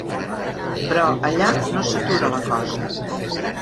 Però allà no s'atura la cosa.